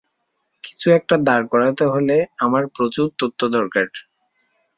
কিছু একটা দাঁড় করাতে হলে আমার প্রচুর তথ্য দরকার।